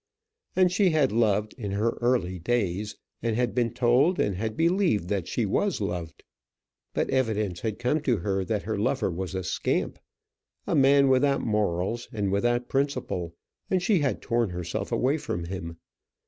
And she had loved in her early days, and had been told and had believed that she was loved. But evidence had come to her that her lover was a scamp a man without morals and without principle; and she had torn herself away from him.